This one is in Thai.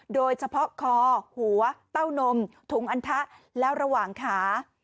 โดยเฉพาะคอหัวเต้านมถุงอันทะแล้วระหว่างขา